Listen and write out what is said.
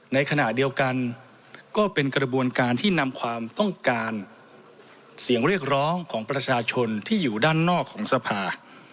ในขณะเดียวกันก็เป็นกระบวนการที่นำความต้องการเสียงเรียกร้องของประชาชนที่อยู่ด้านนอกของสภา